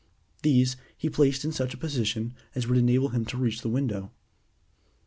These he placed in such a position as would enable him to reach the window.